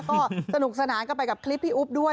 ก็สนุกสนานกันไปกับคลิปพี่อุ๊บด้วย